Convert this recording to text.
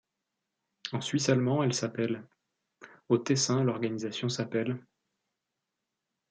En suisse allemand elle s'appelle '; au Tessin, l'organisation s'appelle '.